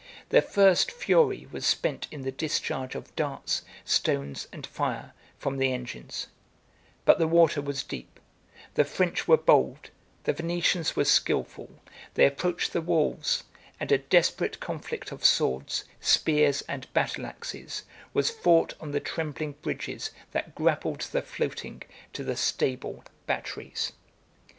Their first fury was spent in the discharge of darts, stones, and fire, from the engines; but the water was deep; the French were bold; the Venetians were skilful; they approached the walls; and a desperate conflict of swords, spears, and battle axes, was fought on the trembling bridges that grappled the floating, to the stable, batteries.